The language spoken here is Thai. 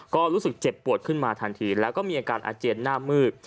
ก็รู้สึกเจ็บปวดขึ้นมาทันทีแล้วก็มีอาการอาเจียนหน้ามืด